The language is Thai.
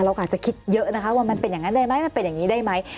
เรากะจะคิดเยอะว่ามันเป็นอย่างนั้นได้ไหมอย่างนี้ได้ไหม